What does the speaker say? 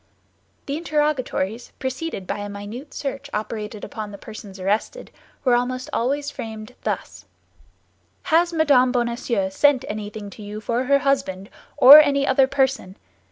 The interrogatories, preceded by a minute search operated upon the persons arrested, were almost always framed thus: "Has Madame Bonacieux sent anything to you for her husband, or any other person?